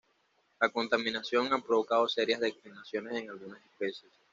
La contaminación ha provocado serias declinaciones en algunas especies.